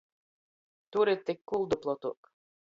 Turi tik kuldu plotuok!